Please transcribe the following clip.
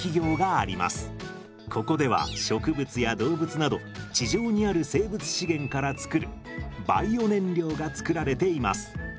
ここでは植物や動物など地上にある生物資源から作るバイオ燃料が作られています。